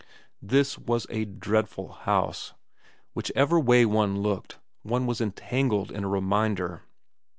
This was a dreadful house. Whichever way one looked one was entangled in a reminder.